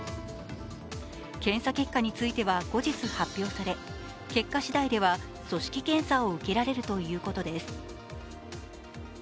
検査結果については後日発表され、結果しだいでは、組織検査を受けられるということです。